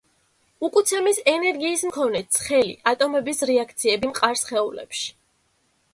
უკუცემის ენერგიის მქონე „ცხელი“ ატომების რეაქციები მყარ სხეულებში.